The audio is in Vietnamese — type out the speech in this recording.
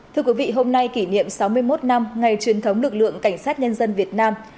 thưa quý vị hôm nay kỷ niệm sáu mươi một năm ngày truyền thống lực lượng cảnh sát nhân dân việt nam